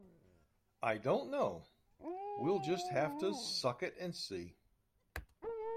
I don't know; we'll just have to suck it and see